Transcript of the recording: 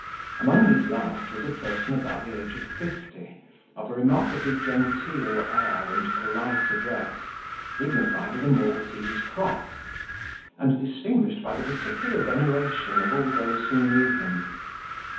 Among these last was a person about the age of fifty, of a remarkably genteel air and polite address, dignified with a Maltese cross, and distinguished by the particular veneration of all those who knew him.